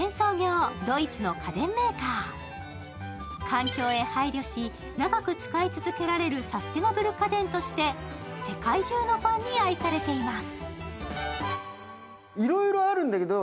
環境へ配慮し、長く使い続けられるサステナブル家電として世界中のファンに愛されています。